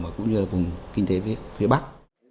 và cũng như là vùng kinh tế phía bắc